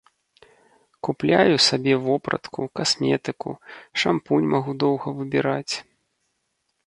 Купляю сабе вопратку, касметыку, шампунь магу доўга выбіраць.